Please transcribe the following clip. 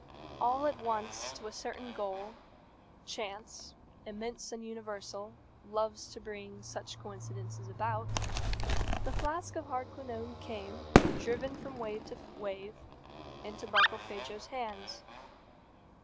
All at once to a certain goal Chance, immense and universal, loves to bring such coincidences about the flask of Hardquanonne came, driven from wave to wave, into Barkilphedro's hands.